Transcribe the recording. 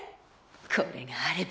これがあれば。